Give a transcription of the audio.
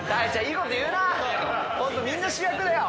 ホントみんな主役だよ！